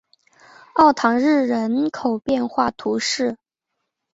奥唐日人口变化图示